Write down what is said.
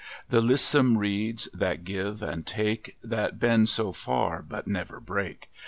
The lissom reeds that give and take, That bend so far, but never break.